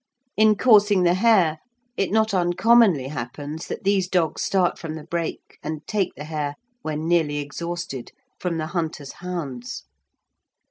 In coursing the hare, it not uncommonly happens that these dogs start from the brake and take the hare, when nearly exhausted, from the hunter's hounds.